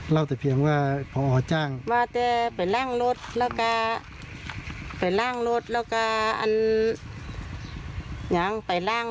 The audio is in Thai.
เล่าแต่เพียงว่าพออจ้างว่าจะไปล่างรถแล้วกะไปล่าง